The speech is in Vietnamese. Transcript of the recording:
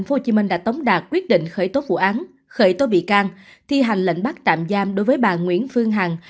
tp hcm đã tống đạt quyết định khởi tố vụ án khởi tố bị can thi hành lệnh bắt tạm giam đối với bà nguyễn phương hằng